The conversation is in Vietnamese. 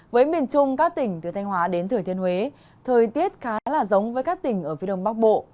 với miền trung các tỉnh từ thanh hóa đến thừa thiên huế thời tiết khá là giống với các tỉnh ở phía đông bắc bộ